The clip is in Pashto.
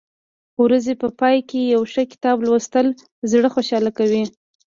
د ورځې په پای کې یو ښه کتاب لوستل زړه خوشحاله کوي.